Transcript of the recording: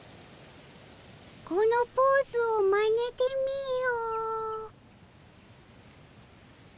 このポーズをまねてみよ。